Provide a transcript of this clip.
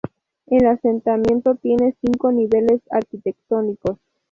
El asentamiento tiene cinco niveles arquitectónicos.